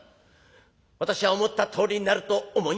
「私は思ったとおりになると思います」。